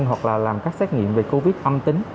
hoặc là làm các xét nghiệm về covid âm tính